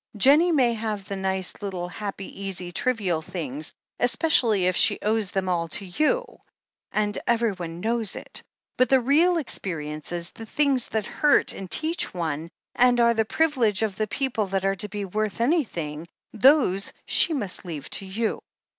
Jennie may have the nice, little, happy, easy, trivial things — especially if she owes them all to you, and everyone knows it — ^but the real experiences, the things that hurt and teach one, and are the privilege of the people that are to be worth an)rthing — ^those she must leave to you.